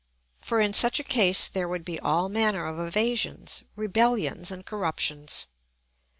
For in such a case there would be all manner of evasions, rebellions, and corruptions.